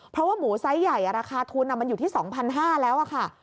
เพราะว่าหมูไซส์ใหญ่อ่ะราคาทุนมันอยู่ที่สองพันห้าแล้วอ่ะค่ะ